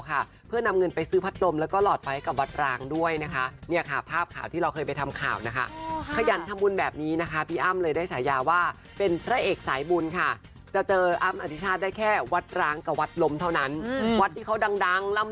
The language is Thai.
ก็ไม่ชอบไปวัดที่อมแค่ที่บุญเยอะไงครับ